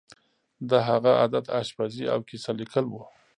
د هغه عادت آشپزي او کیسه لیکل وو